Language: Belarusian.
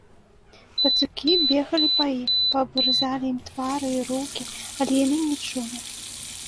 Пацукі бегалі па іх, паабгрызалі ім твары і рукі, але яны не чулі.